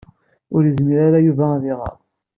Ur yezmir ara Yuba ad iɣeṛ.